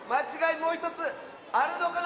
もうひとつあるのかな？